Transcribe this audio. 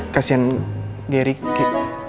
kasian geri ki